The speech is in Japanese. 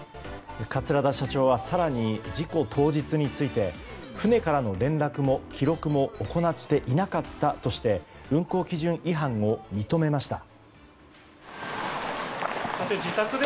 桂田社長は更に、事故当日について船からの連絡も記録も行っていなかったとして運航基準違反を認めました。